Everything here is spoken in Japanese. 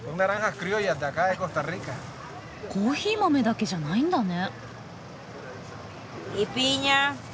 コーヒー豆だけじゃないんだね。